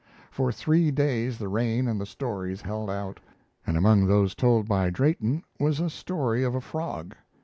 For three days the rain and the stories held out; and among those told by Drayton was a story of a frog.